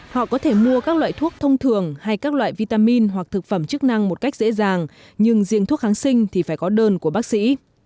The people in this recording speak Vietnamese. họ có thể mua các loại thuốc thông thường hay các loại vitamin hoặc thực phẩm chức năng một cách dễ dàng nhưng diện thuốc kháng sinh thì phải có đơn của bác sĩ